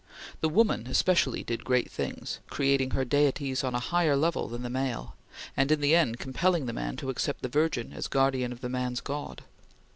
The woman especially did great things, creating her deities on a higher level than the male, and, in the end, compelling the man to accept the Virgin as guardian of the man's God.